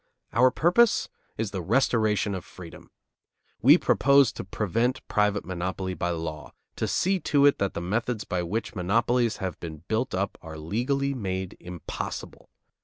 Our purpose is the restoration of freedom. We purpose to prevent private monopoly by law, to see to it that the methods by which monopolies have been built up are legally made impossible.